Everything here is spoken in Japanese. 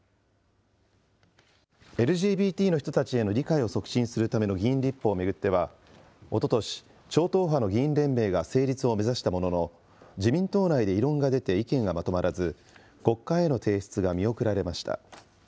ＬＧＢＴの人たちへの理解を促進するための議員立法を巡っては、おととし、超党派の議員連盟が成立を目指したものの、自民党内で異論が出て意見がまとまらず、国会への提出が見送られました。